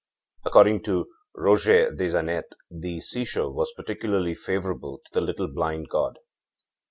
According to Roger des Annettes, the seashore was particularly favorable to the little blind god.